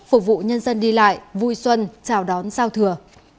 phục vụ nhân dân đi lại vui xuân chào đón giao thừa